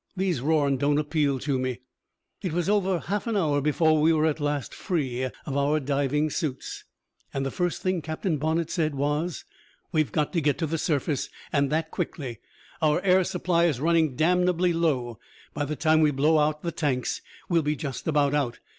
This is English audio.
These Rorn don't appeal to me." It was over half an hour before we were at last free of our diving suits. The first thing Captain Bonnett said: "We've got to get to the surface, and that quickly. Our air supply is running damnably low. By the time we blow out the tanks we'll be just about out.